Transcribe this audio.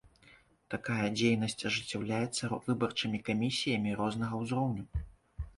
Такая дзейнасць ажыццяўляецца выбарчымі камісіямі рознага ўзроўню.